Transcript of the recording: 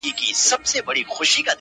• د زړه په تل کي یادولای مي سې -